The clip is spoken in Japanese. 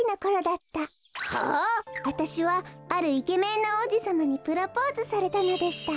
わたしはあるイケメンのおうじさまにプロポーズされたのでした。